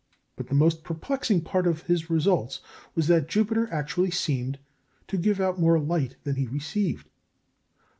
But the most perplexing part of his results was that Jupiter actually seemed to give out more light than he received.